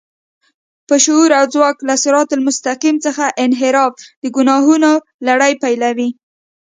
په شعور او ځواک کې له صراط المستقيم څخه انحراف د ګناهونو لړۍ پيلوي.